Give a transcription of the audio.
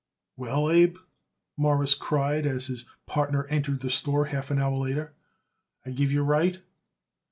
"Well, Abe," Morris cried as his partner entered the store half an hour later, "I give you right."